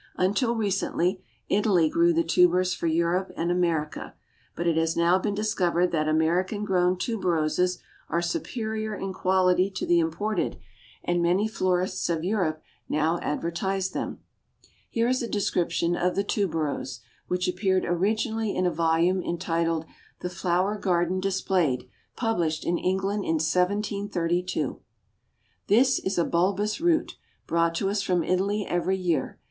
Until recently Italy grew the tubers for Europe and America, but it has now been discovered that American grown tuberoses are superior in quality to the imported, and many florists of Europe now advertise them. Here is a description of the tuberose, which appeared originally in a volume entitled "The Flower Garden Displayed," published in England in 1732: "This is a bulbous root, brought to us from Italy every year.